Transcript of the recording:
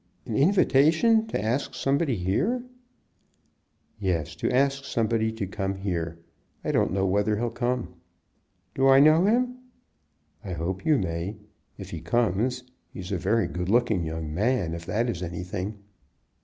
"An invitation to ask somebody here?" "Yes; to ask somebody to come here. I don't know whether he'll come." "Do I know him?" "I hope you may, if he comes. He's a very good looking young man, if that is anything."